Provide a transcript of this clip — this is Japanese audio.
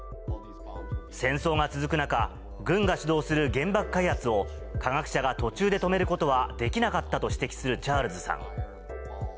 戦争が続く中、軍が主導する原爆開発を科学者が途中で止めることはできなかったと指摘するチャールズさん。